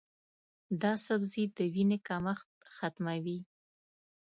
دا سبزی د وینې کمښت ختموي.